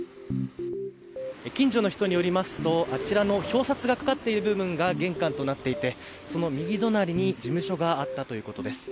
近所の人によりますと、あちらの表札がかかっている部分が玄関となっていて、その右隣に事務所があったということです。